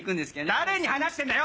誰に話してんだよ！